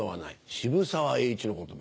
渋沢栄一の言葉。